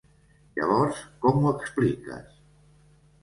Llavors, com ho expliques?